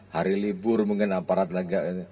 hari libur mungkin aparat lagi